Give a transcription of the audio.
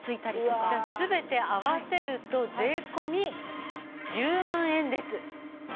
こちら全て合わせると税込１０万円です。